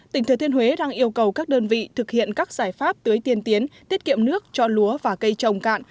tỉnh thừa thiên huế đang yêu cầu các đơn vị thực hiện các giải pháp tưới tiên tiến tiết kiệm nước cho lúa và cây trồng cạn